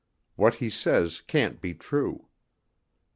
What he says can't be true.